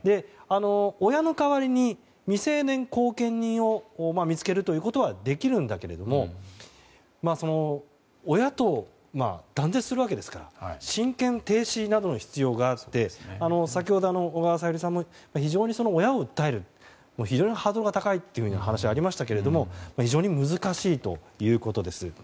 親の代わりに未成年後見人を見つけるということはできるんだけれども親と断絶するわけですから親権停止などの必要があって先ほど小川さゆりさんも親を訴えるのは非常にハードルが高いという話がありましたが非常に難しいということです。